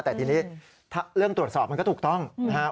แต่ทีนี้ถ้าเรื่องตรวจสอบมันก็ถูกต้องนะครับ